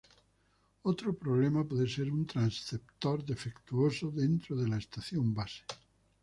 Otro problema puede ser un transceptor defectuoso dentro de la estación base.